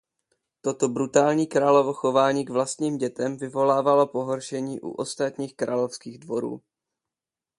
Toto brutální královo chování k vlastním dětem vyvolávalo pohoršení u ostatních královských dvorů.